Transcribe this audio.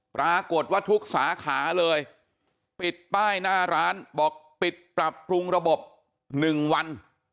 ปรากฏว่าทุกสาขาเลยปิดป้ายหน้าร้านบอกปิดปรับปรุงระบบ๑วัน